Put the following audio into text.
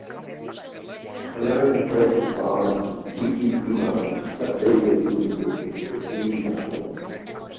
American forces bombed Chichi-jima to cut radio communications between the islands.